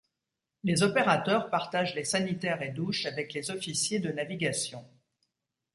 Les opérateurs partagent les sanitaires et douches avec les officiers de navigation.